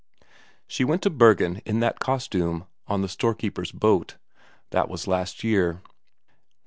She went to Bergen in that costume, on the storekeeper's boat that was last year.